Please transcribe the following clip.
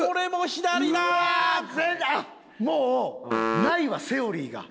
もうないわセオリーが。